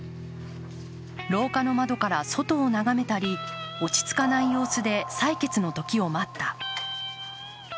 廊下の窓から外を眺めたり落ち着かない様子で採決の時を待った。